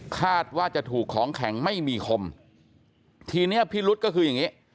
คาดว่าจะถูกของแข็งไม่มีคมทีเนี้ยพิรุษก็คืออย่างนี้